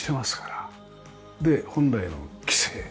で本来の規制